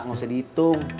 enggak usah ditung